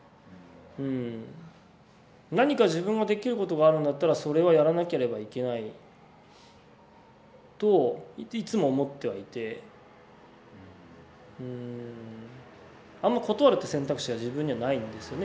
何か自分ができることがあるんだったらそれはやらなければいけないといつも思ってはいてあんま断るって選択肢は自分にはないんですよね